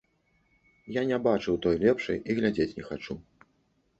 Я не бачыў той лепшай і глядзець не хачу.